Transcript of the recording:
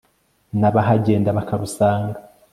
n' abahagenda bakarusanga